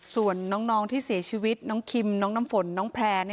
ส่วนน้องที่เสียชีวิตน้องคิมน้องน้ำฝนน้องแพร่